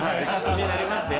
気になりますよ。